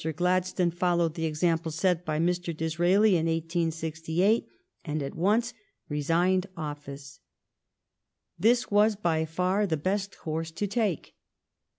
Gladstone fol lowed the example set by Mr. Disraeli in 1868, and at once resigned ofiice. This was by far the best course to take.